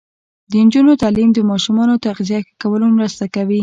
د نجونو تعلیم د ماشومانو تغذیه ښه کولو مرسته کوي.